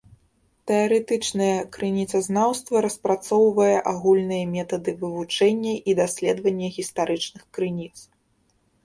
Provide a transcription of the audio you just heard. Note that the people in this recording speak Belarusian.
Тэарэтычнае крыніцазнаўства распрацоўвае агульныя метады вывучэння і даследавання гістарычных крыніц.